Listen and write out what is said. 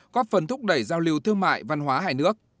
có phần thúc đẩy giao lưu thương mại văn hóa hai nước